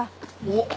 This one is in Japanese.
おっ！